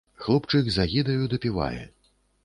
Хлопчык з агідаю дапівае.